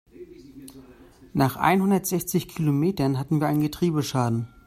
Nach einhundertsechzig Kilometern hatten wir einen Getriebeschaden.